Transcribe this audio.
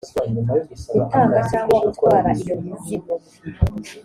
gutanga cyangwa gutwara iyo mizigo